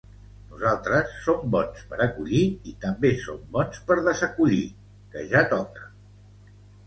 Nosaltres som bons per acollir i també som bons per desacollir que ja toca